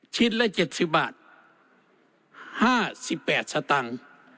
ชิ้นละเจ็ดสิบบาทห้าสิบแปดสตางค์